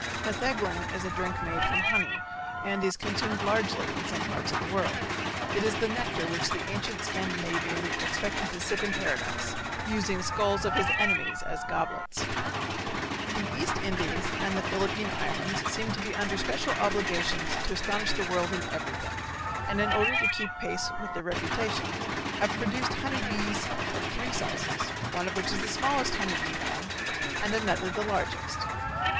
Metheglin is a drink made from honey, and is consumed largely in some parts of the world. It is the nectar which the ancient Scandinavian expected to sip in paradise, using skulls of his enemies as goblets. The East Indies and the Philippine Islands seem to be under special obligations to astonish the world in everything, and in order to keep pace with their reputations have produced honey bees of three sizes, one of which is the smallest honey bee known, and another the largest.